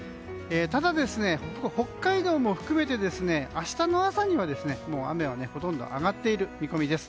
ただ、北海道も含めて明日の朝にはもう雨はほとんどあがっている見込みです。